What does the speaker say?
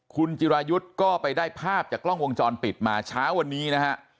คุณจิรายุทธ์ก็ไปได้ภาพจากกล้องวงจรปิดมาเช้าวันนี้นะฮะ